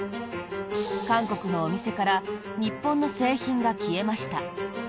韓国のお店から日本の製品が消えました。